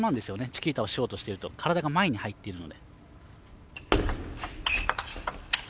チキータをしようとしていると体が前に入っているので。